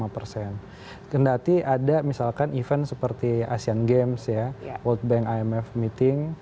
berarti ada misalkan event seperti asian games world bank imf meeting